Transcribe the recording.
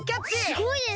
すごいです！